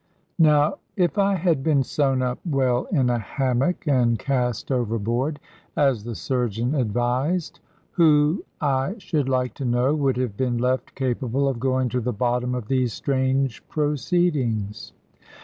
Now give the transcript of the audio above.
Now if I had been sewn up well in a hammock, and cast overboard (as the surgeon advised), who, I should like to know, would have been left capable of going to the bottom of these strange proceedings?